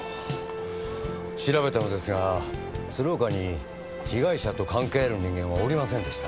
調べたのですが鶴岡に被害者と関係ある人間はおりませんでした。